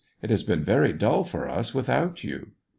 It has been very dull for us without you."